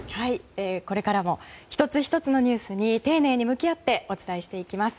これからも１つ１つのニュースに丁寧に向き合ってお伝えしていきます。